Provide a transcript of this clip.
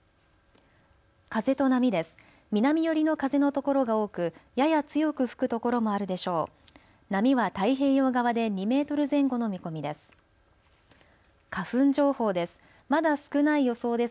風と波です。